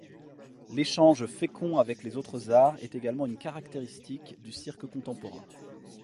L'échange fécond avec les autres arts est également une caractéristique du cirque contemporain.